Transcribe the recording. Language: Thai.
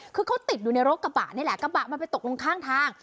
คือเขาติดอยู่ในรถกระบะนี่แหละกระบะมันไปตกลงข้างทาง